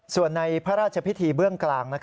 ส่วนในพระราชพิธีเบื้องกลาง